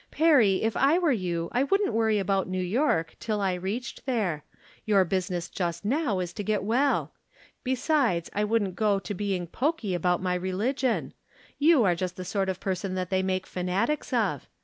Perry, if I were you I wouldn't worry about New York tUl I reached there. Your business just now is to get well. Besides, I wouldn't go to being pokey about my religion. You are just the sort of person that they make fanatics of.